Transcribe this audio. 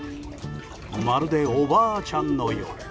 まるでおばあちゃんのよう。